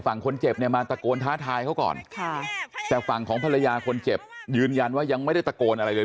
ฝั่งคนเจ็บเนี่ยมาตะโกนท้าทายเขาก่อนค่ะแต่ฝั่งของภรรยาคนเจ็บยืนยันว่ายังไม่ได้ตะโกนอะไรเลย